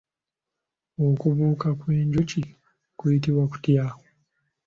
Okubuuka kw'enjuki kuyitibwa kutya?